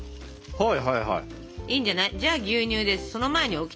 はい！